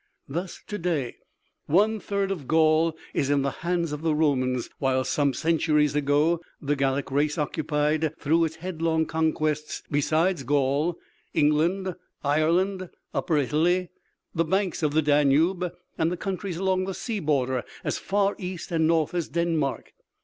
Thus, to day, one third of Gaul is in the hands of the Romans, while some centuries ago the Gallic race occupied through its headlong conquests, besides Gaul, England, Ireland, upper Italy, the banks of the Danube, and the countries along the sea border as far east and north as Denmark.